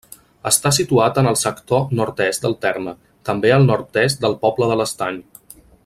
Està situat en el sector nord-est del terme, també al nord-est del poble de l'Estany.